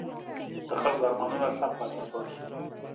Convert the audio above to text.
د خلکو ارمانونه ښخ پاتې شول.